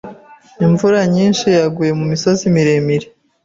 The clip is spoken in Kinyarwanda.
imvura nyinshi yaguye mu misozi miremire